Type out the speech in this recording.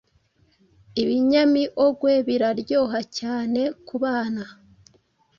Ibinyamiogwe biraryoha cyane kubana